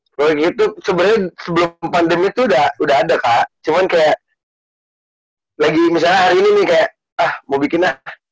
sebenarnya gitu sebenernya sebelum pandemi tuh udah ada kak cuman kayak lagi misalnya hari ini nih kayak ah mau bikinnya